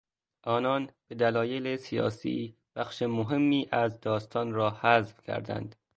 آنان به دلایل سیاسی بخش مهمی از داستان را حذف کردند.